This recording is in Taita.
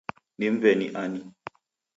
Ni mweni ani?